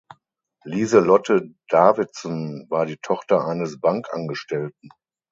Liselotte Davidson war die Tochter eines Bankangestellten.